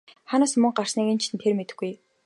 Хаанаас мөнгө гарсныг ч тэр мэдэхгүй!